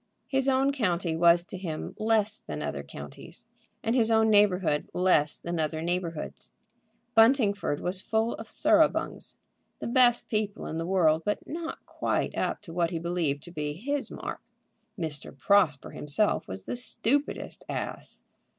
His own county was to him less than other counties, and his own neighborhood less than other neighborhoods. Buntingford was full of Thoroughbungs, the best people in the world, but not quite up to what he believed to be his mark. Mr. Prosper himself was the stupidest ass!